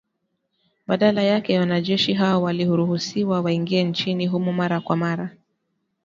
Badala yake wanajeshi hao waliruhusiwa waingie nchini humo mara kwa mara.